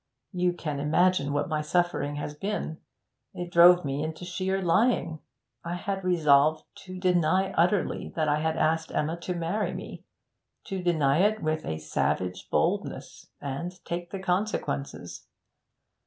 You can imagine what my suffering has been; it drove me into sheer lying. I had resolved to deny utterly that I had asked Emma to marry me to deny it with a savage boldness, and take the consequences.'